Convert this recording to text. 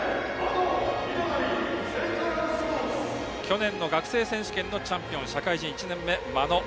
去年の学生選手権のチャンピオン社会人１年目、眞野。